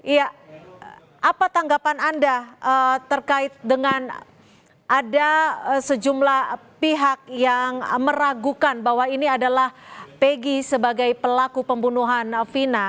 iya apa tanggapan anda terkait dengan ada sejumlah pihak yang meragukan bahwa ini adalah pegi sebagai pelaku pembunuhan vina